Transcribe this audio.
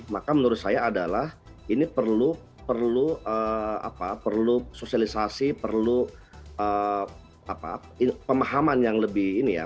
maka menurut saya adalah ini perlu sosialisasi perlu pemahaman yang lebih ini ya